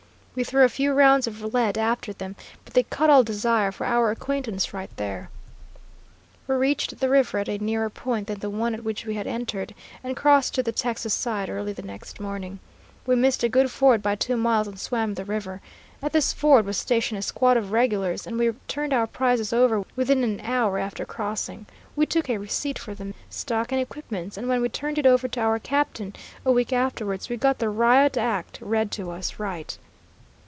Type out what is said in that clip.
We threw a few rounds of lead after them, but they cut all desire for our acquaintance right there. "We reached the river at a nearer point than the one at which we had entered, and crossed to the Texas side early the next morning. We missed a good ford by two miles and swam the river. At this ford was stationed a squad of regulars, and we turned our prizes over within an hour after crossing. We took a receipt for the men, stock, and equipments, and when we turned it over to our captain a week afterwards, we got the riot act read to us right.